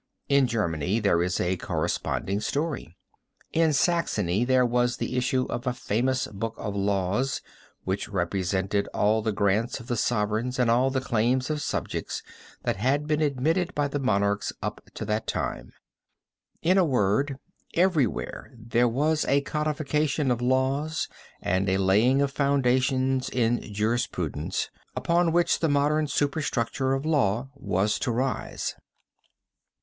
In Germany there is a corresponding story. In Saxony there was the issue of a famous book of laws, which represented all the grants of the sovereigns, and all the claims of subjects that had been admitted by monarchs up to that time. In a word, everywhere there was a codification of laws and a laying of foundations in jurisprudence, upon which the modern superstructure of law was to rise.